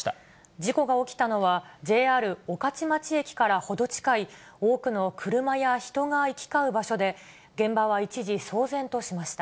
事故が起きたのは、ＪＲ御徒町駅から程近い、多くの車や人が行き交う場所で、現場は一時騒然としました。